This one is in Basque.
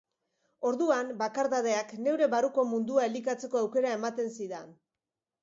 Orduan, bakardadeak neure barruko mundua elikatzeko aukera ematen zidan.